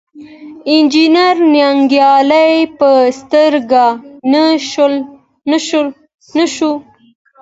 انجنیر ننګیالی په سترګه نه شو.